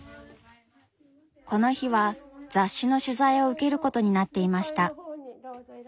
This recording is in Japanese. この日は雑誌の取材を受けることになっていました。